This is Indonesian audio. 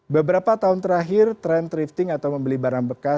beberapa tahun terakhir tren thrifting atau membeli barang bekas